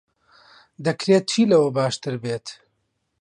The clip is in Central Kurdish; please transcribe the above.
دەکرێت چی لەوە باشتر بێت؟